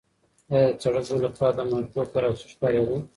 ایا د سړک بلې خوا ته د مالټو کراچۍ ښکارېده؟